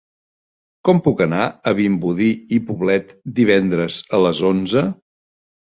Com puc anar a Vimbodí i Poblet divendres a les onze?